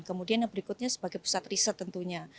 kemudian yang berikutnya sebagai pusat riset tentunya